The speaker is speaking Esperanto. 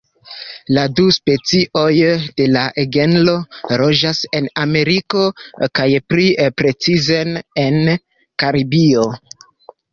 La du specioj de la genro loĝas en Ameriko kaj pli precize en Karibio.